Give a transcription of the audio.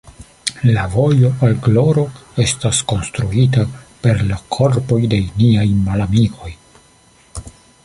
La vojo al gloro estas konstruita per la korpoj de niaj malamikoj.